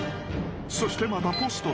［そしてまたポスト。